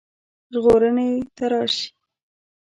ژغورني ته راشي.